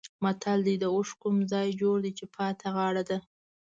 متل دی: د اوښ کوم ځای جوړ دی چې پاتې یې غاړه ده.